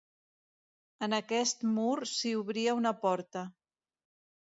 En aquest mur s'hi obria una porta.